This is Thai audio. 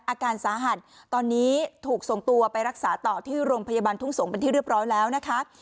อาการสาหัสตอนนี้ถูกส่งตัวไปรักษาต่อที่โรงพยาบาลทุ่งสงฆ์เป็นที่เรียบร้อยแล้วนะคะ